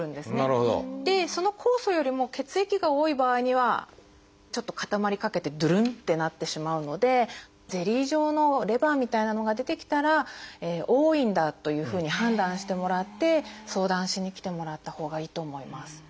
その酵素よりも血液が多い場合にはちょっと固まりかけてドゥルンってなってしまうのでゼリー状のレバーみたいなのが出てきたら多いんだというふうに判断してもらって相談しに来てもらったほうがいいと思います。